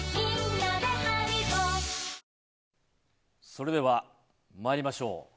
それでは参りましょう。